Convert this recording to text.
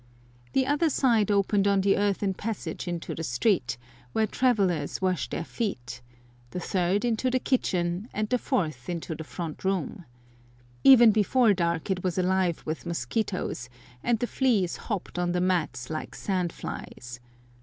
The other side opened on the earthen passage into the street, where travellers wash their feet, the third into the kitchen, and the fourth into the front room. Even before dark it was alive with mosquitoes, and the fleas hopped on the mats like sand flies.